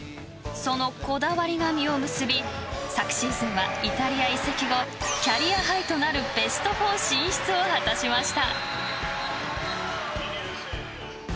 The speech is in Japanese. そのこだわりが実を結び昨シーズンはイタリア移籍後キャリアハイとなるベスト４進出を果たしました。